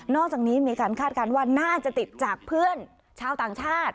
อกจากนี้มีการคาดการณ์ว่าน่าจะติดจากเพื่อนชาวต่างชาติ